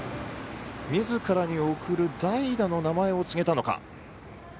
みずからに送る代打の名前を告げたのか。